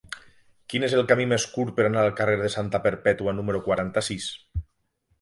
Quin és el camí més curt per anar al carrer de Santa Perpètua número quaranta-sis?